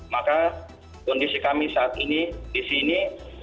maka kondisi kami saat ini di sini